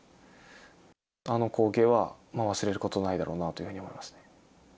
あの光景は、忘れることはないだろうなというふうに思いますね。